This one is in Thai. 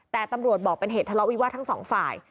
แต่ตำรวจบอกเป็นเหตุทะเลาะวิวาสทั้งสองฝ่าย